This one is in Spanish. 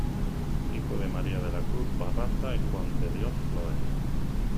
Hijo de María de la Cruz Barraza y Juan de Dios Flores.